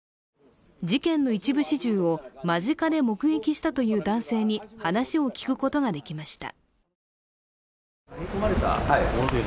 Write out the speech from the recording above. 事件の一部始終を間近で目撃したという男性に話を聞くことができました。